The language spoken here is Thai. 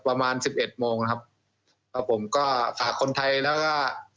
ประมาณสิบเอ็ดโมงนะครับครับผมก็ฝากคนไทยแล้วก็